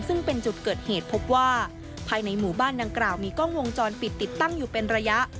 ซึ่งเป็นจุดเกิดเหตุพบว่าภายในหมู่บ้านดังกล่าวมีกล้องวงจรปิดติดตั้งอยู่เป็นระยะ